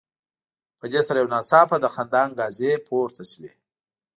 په دې سره یو ناڅاپه د خندا انګازې پورته شوې.